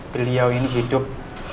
beliau ini hidup